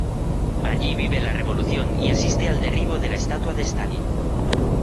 Allí vive la revolución y asiste al derribo de la estatua de Stalin.